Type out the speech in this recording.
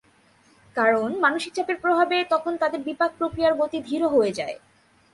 কারণ মানসিক চাপের প্রভাবে তখন তাঁদের বিপাক প্রক্রিয়ার গতি ধীর হয়ে যায়।